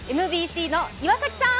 ＭＢＣの岩崎さん。